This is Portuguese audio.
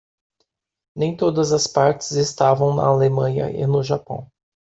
Nem todas as partes estavam na Alemanha e no Japão.